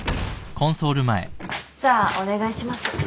じゃあお願いします。